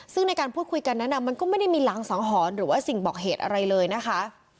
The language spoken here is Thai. ซึ่งในการพูดคุยกันนั้นมันก็ไม่ได้มีรางสังหรณ์หรือว่าสิ่งบอกเหตุอะไรเลยนะคะ